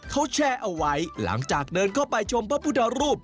เขาแชร์เอาไว้หลังจากเดินเข้าไปชมพระพุทธรูป